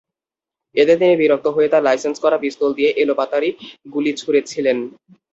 এতে তিনি বিরক্ত হয়ে তাঁর লাইসেন্স করা পিস্তল দিয়ে এলোপাতাড়ি গুলি ছুড়েছিলেন।